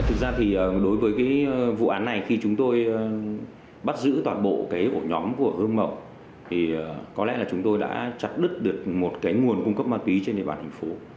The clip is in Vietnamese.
thực ra thì đối với cái vụ án này khi chúng tôi bắt giữ toàn bộ cái ổ nhóm của hương mậu thì có lẽ là chúng tôi đã chặt đứt được một cái nguồn cung cấp ma túy trên địa bàn thành phố